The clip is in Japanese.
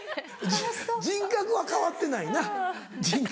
人格は変わってないな人格は。